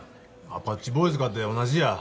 アパッチボーイズかて同じや。